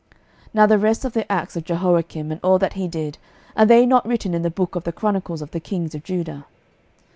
12:024:005 Now the rest of the acts of Jehoiakim, and all that he did, are they not written in the book of the chronicles of the kings of Judah?